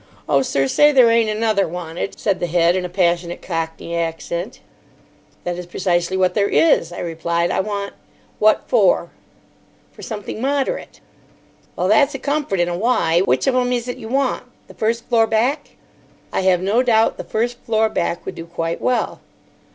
Oh, sir, say there ain't another wanted," said the head in a passionate Cockney accent. "That is precisely what there is," I replied. "I want——" "What for?" "For something moderate." "Well, that's a comfort in a wiy. Which of 'em is it you want? The first floor back?" "I have no doubt the first floor back would do quite well."